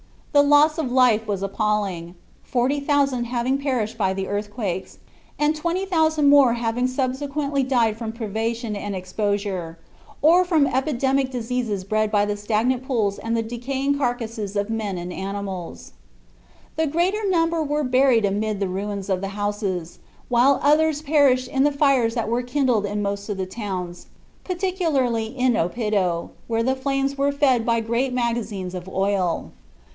The loss of life was appalling 40,000 having perished by the earthquakes, and 20,000 more having subsequently died from privation and exposure, or from epidemic diseases bred by the stagnant pools and the decaying carcases of men and animals. The greater number were buried amid the ruins of the houses, while others perished in the fires that were kindled in most of the towns, particularly in Oppido, where the flames were fed by great magazines of oil.